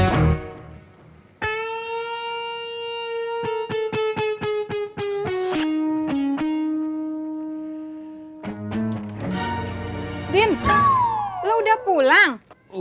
kalian setan udah pulang gak betul